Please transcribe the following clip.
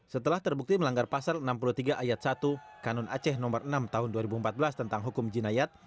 setelah terbukti melanggar pasal enam puluh tiga ayat satu kanun aceh nomor enam tahun dua ribu empat belas tentang hukum jinayat